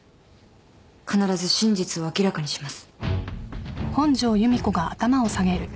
必ず真実を明らかにします。